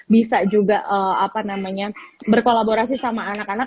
bisa juga apa namanya berkolaborasi sama anak anak